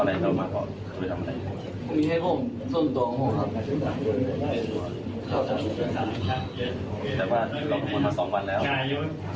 ไม่ให้ผมส่วนตัวครับ